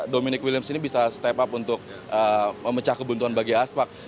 dominic williams ini bisa step up untuk memecah kebuntuan bagi aspak